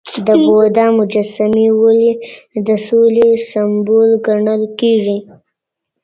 د بودا مجسمې ولي د سولې سمبول ګڼل کېږي؟